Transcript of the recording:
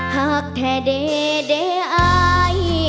หากแท้เดอาย